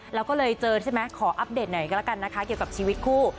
แล้วก็เลยเจอใช่ไหมขออัปเดตหน่อยก็แล้วกันนะคะเกี่ยวกับชีวิตคู่